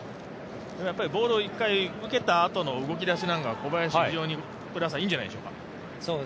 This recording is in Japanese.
ボールを１回受けたあとの動き出しは小林は非常にいいんじゃないでしょうか。